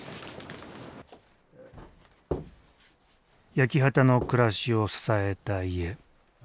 焼き畑の暮らしを支えた家。